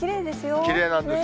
きれいなんですよ。